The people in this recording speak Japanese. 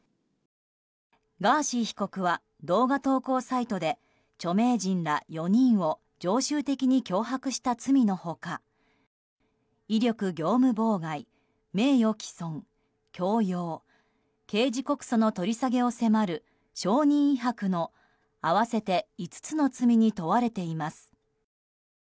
ガーシー被告は動画投稿サイトで著名人ら３人を常習的に脅迫した罪の他威力業務妨害名誉毀損、強要刑事告訴の取り下げを迫る証人威迫の合わせて５つの罪に問われています。